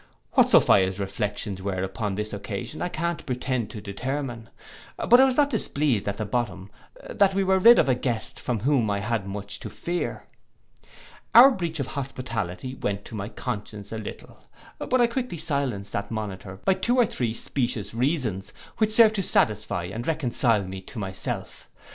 What Sophia's reflections were upon this occasion, I can't pretend to determine; but I was not displeased at the bottom that we were rid of a guest from whom I had much to fear. Our breach of hospitality went to my conscience a little: but I quickly silenced that monitor by two or three specious reasons, which served to satisfy and reconcile me to myself.